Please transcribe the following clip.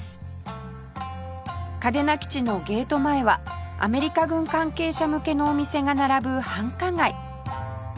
嘉手納基地のゲート前はアメリカ軍関係者向けのお店が並ぶ繁華街